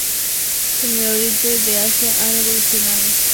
En el Oriente de Asia han evolucionado ganando monumentalidad y altura.